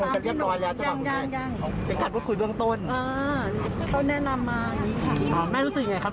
แม่รู้สึกยังไงครับ